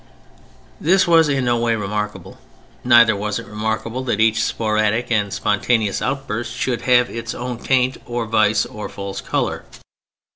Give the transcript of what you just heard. This was in no way remarkable. Neither was it remarkable that each such sporadic and spontaneous outburst should have its own taint or vice or false color.